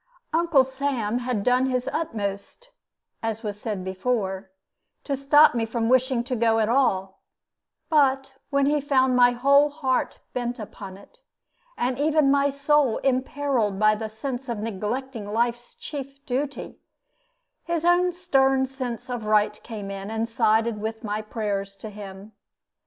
Uncle Sam had done his utmost, as was said before, to stop me from wishing to go at all; but when he found my whole heart bent upon it, and even my soul imperiled by the sense of neglecting life's chief duty, his own stern sense of right came in and sided with my prayers to him.